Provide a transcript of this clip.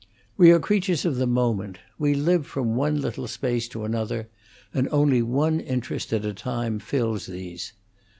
We are creatures of the moment; we live from one little space to another; and only one interest at a time fills these.